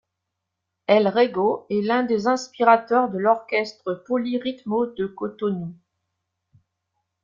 El Rego est l'un des inspirateurs de l'Orchestre Poly Rythmo de Cotonou.